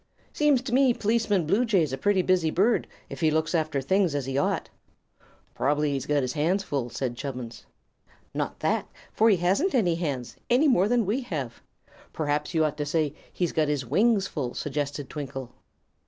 Seems to me P'liceman Bluejay's a pretty busy bird, if he looks after things as he ought." "Prob'ly he's got his hands full," said Chubbins. "Not that; for he hasn't any hands, any more than we have. Perhaps you ought to say he's got his wings full," suggested Twinkle.